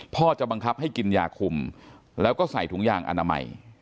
พ่อจะบังคับให้กินยาคุมแล้วก็ใส่ถุงยางอนามัย